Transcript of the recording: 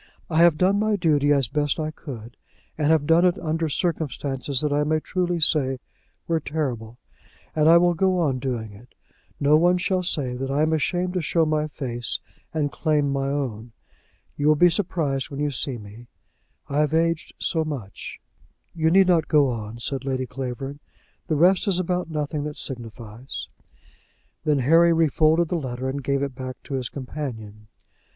I have done my duty as best I could, and have done it under circumstances that I may truly say were terrible; and I will go on doing it. No one shall say that I am ashamed to show my face and claim my own. You will be surprised when you see me. I have aged so much; " "You need not go on," said Lady Clavering. "The rest is about nothing that signifies." Then Harry refolded the letter and gave it back to his companion.